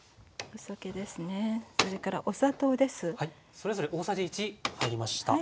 それぞれ大さじ１入りました。